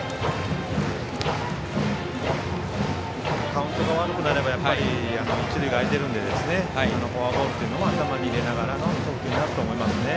カウントが悪くなれば一塁が空いているのでフォアボールも頭に入れながらの投球になると思いますね。